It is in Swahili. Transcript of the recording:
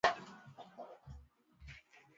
maneno hayo hutumika kurejelea mauaji ya kimbari